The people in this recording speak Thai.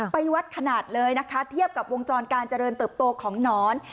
ไปวัดขนาดเลยนะคะเทียบกับวงจรการเจริญเติบโตของหนอน